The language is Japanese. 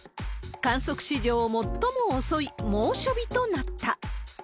観測史上最も遅い猛暑日となった。